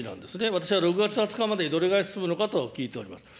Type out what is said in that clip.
私は６月２０日までにどれぐらい進むのかと聞いています。